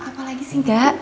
apalagi sih gak